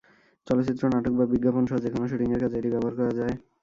চলচ্চিত্র, নাটক বা বিজ্ঞাপনসহ যেকোনো শুটিংয়ের কাজে এটি ব্যবহার করা যায়।